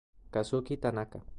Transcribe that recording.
Kazuki Tanaka